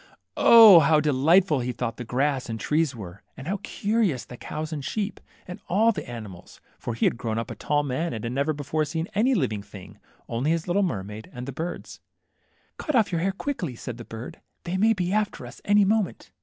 0 ! how delight ful he thought the grass and trees were, and how cu rious the cows and sheep, and all the animals \ for he had grown up to a tall man, and had never before seen any living thing, only his httle mermaid and the birds. THE MERMAID. 15 Cut off your hair quickly," said the bird, they may he after us any moment."